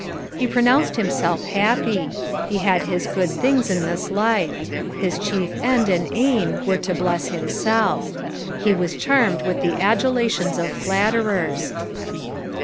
He pronounced himself happy. He had his good tilings in this life. His chief end and aim were to bless himself. He was charmed with the adulations of flatterers.